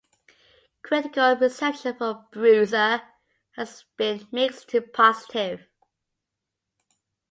Critical reception for "Bruiser" has been mixed to positive.